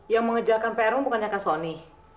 yang mengejarkan prm bukannya kak soni